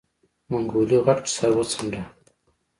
منګلي غټ سر وڅنډه.